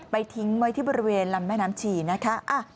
ทิ้งไว้ที่บริเวณลำแม่น้ำชีนะคะ